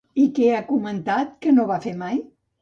I què ha comentat que no va fer mai?